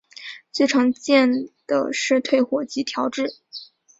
最常见的是退火及调质。